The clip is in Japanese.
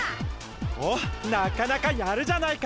おっなかなかやるじゃないか。